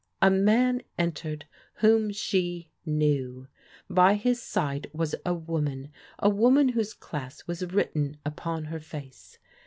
A man entered whom she knew. By his side was a woman, a woman whose class was written upon her face.